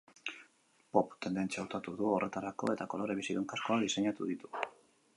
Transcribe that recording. Pop tendentzia hautatu du horretarako eta kolore bizidun kaskoak diseinatu ditu.